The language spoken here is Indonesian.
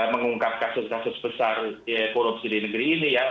mengungkap kasus kasus besar korupsi di negeri ini ya